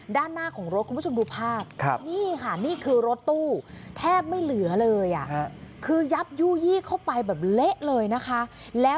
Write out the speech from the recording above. ด้านหน้าของรถคุณผู้ชมดูภาพนี่ค่ะนี่คือรถตู้แทบไม่เหลือเลยคือยับยู่ยี่เข้าไปแบบเละเลยนะคะ